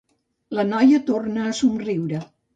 La noia torna a somriure.